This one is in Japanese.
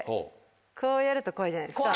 こうやると怖いじゃないですか。